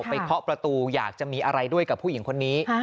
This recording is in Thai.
เคาะประตูอยากจะมีอะไรด้วยกับผู้หญิงคนนี้